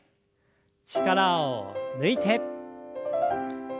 力を抜いて。